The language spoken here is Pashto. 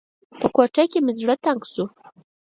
په کوټه کې مې زړه تنګ شو.